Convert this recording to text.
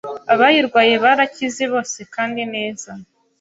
abayirwaye barakize bose kandi neza